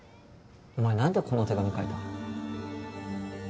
お前何でこの手紙書いた？